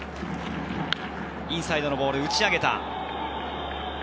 インサイドのボール、打ち上げた。